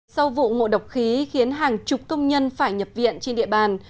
sau vụ ngộ độc khí khiến hàng chục công nhân phải nhập viện trên địa bàn